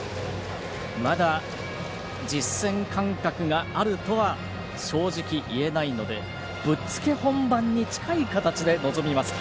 まだ、実戦感覚があるとは正直、言えないのでぶっつけ本番に近い形臨みます。